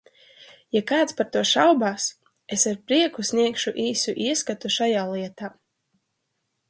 Ja kāds par to šaubās, es ar prieku sniegšu īsu ieskatu šajā lietā.